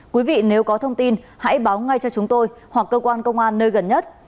quý vị nếu có thông tin hãy báo ngay cho chúng tôi hoặc cơ quan công an nơi gần nhất